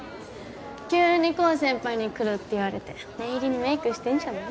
急にコウ先輩に来るって言われて念入りにメイクしてんじゃない？